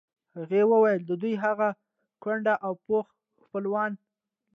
هغې وویل د دوی هغه کونډ او پوخ خپلوان.